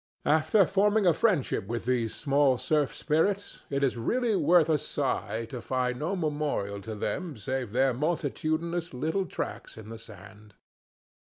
After forming a friendship with these small surf spirits, it is really worth a sigh to find no memorial of them save their multitudinous little tracks in the sand.